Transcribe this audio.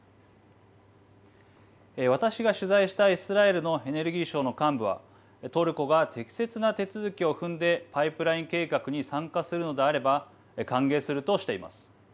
私が取材したイスラエルのエネルギー省の幹部はトルコが適切な手続きを踏んでパイプライン計画に参加するのであれば歓迎するとしています。